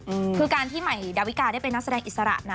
อืมคือการที่ใหม่ดาวิกาได้เป็นนักแสดงอิสระนะ